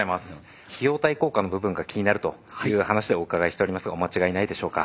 費用対効果の部分が気になるという話でお伺いしておりますがお間違いないでしょうか。